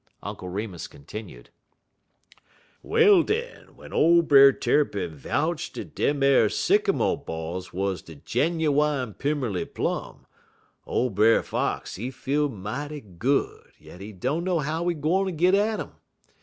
Uncle Remus continued: "Well, den, w'en ole Brer Tarrypin vouch dat dem ar sycamo' balls wuz de ginnywine Pimmerly Plum, ole Brer Fox, he feel mighty good, yit he dunner how he gwine git at um.